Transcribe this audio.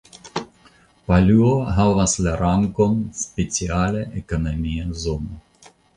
Paluo havas la rangon speciala ekonomia zono.